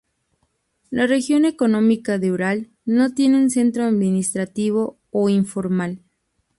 La región económica del Ural no tiene un centro administrativo o informal.